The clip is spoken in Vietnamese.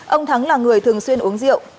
ông thắng là người thường xuyên uống rượu